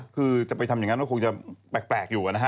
คือจะไปทำอย่างนั้นก็คงจะแปลกอยู่นะฮะ